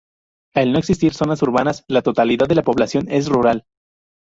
Al no existir zonas urbanas, la totalidad de la población es rural.